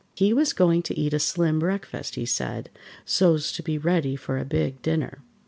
He was going to eat a slim breakfast, he said, so's to be ready for a big dinner.